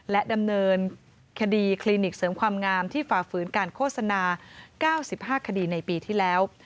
และดำเนินคดีคลินิกเสริมความงามที่ฝ่าฝืนการโฆษณา๙๕คดีในปีที่แล้ว